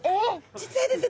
実はですね